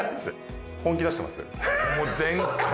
本気出してます？